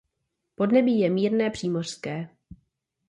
Podnebí je mírné přímořské.